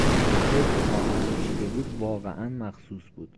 سفرهای که خواهرم چیده بود واقعا مخصوص بود.